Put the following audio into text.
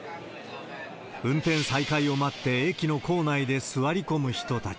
運転再開を待って駅の構内で座り込む人たち。